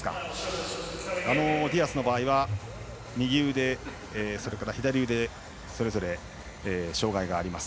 ディアスの場合は右腕、それから左腕それぞれ障がいがあります。